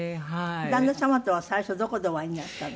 旦那様とは最初どこでお会いになったの？